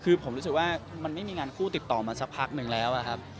คือผมรู้สึกว่ามันไม่มีงานคู่ติดต่อมาสักพักนึงแล้วครับ